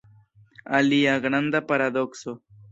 Alia granda paradokso.